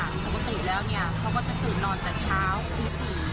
ปกติแล้วเนี่ยเขาก็จะตื่นนอนแต่เช้าตี๔